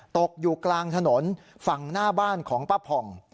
ตกอยู่กลางถนนฝั่งหน้าบ้านของป้าผ่อง